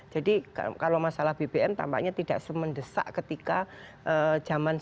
jadi kalau masalah bbm tampaknya tidak se mendesak ketika jaman sembilan puluh tujuh sembilan puluh delapan